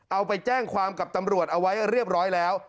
เอาไปแจ้งความกับตำรวจเอาไว้เรียบร้อยแล้ว